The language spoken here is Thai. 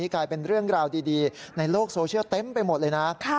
กลายเป็นเรื่องราวดีในโลกโซเชียลเต็มไปหมดเลยนะ